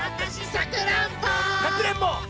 「さくらんぼ」